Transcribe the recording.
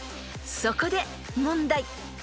［そこで問題］